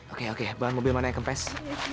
oke oke bahan mobil mana yang kempes